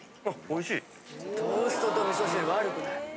トーストと味噌汁悪くない。ね？